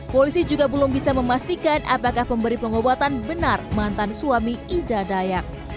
polisi juga belum bisa memastikan apakah pemberi pengobatan benar mantan suami ida dayak